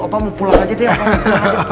bapak mau pulang aja deh